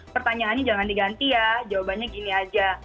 pertanyaannya jangan diganti ya jawabannya gini aja